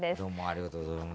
ありがとうございます。